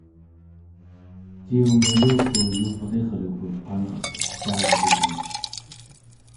ciunguluku yuvrirluku qanercetaarvigmi